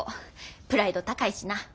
プライド高いしな。